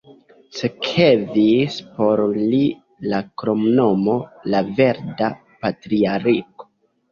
Sekvis por li la kromnomo "la Verda Patriarko".